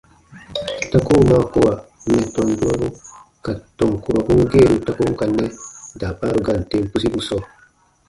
Ta koo maa kowa mɛ̀ tɔn durɔbu ka tɔn kurɔbun geeru ta ko n ka nɛ daabaaru gaan tem pusibu sɔɔ.